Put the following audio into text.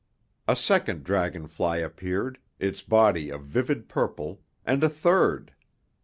A second dragonfly appeared, its body a vivid purple, and a third.